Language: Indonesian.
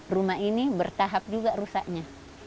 rumah ini bertahap juga rusaknya